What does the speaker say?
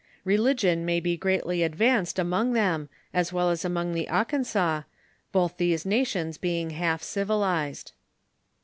Religion may be greatly advanced among them, as well as among the Akansas, both these nations being half civilized.